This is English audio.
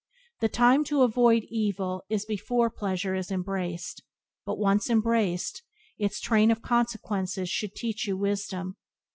The time to avoid evil is before pleasure is embraced, but, once embraced, its train of consequences should teach you wisdom.